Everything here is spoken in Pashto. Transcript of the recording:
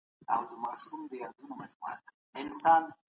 په هر حالت کي بايد خپل عزت وساتې.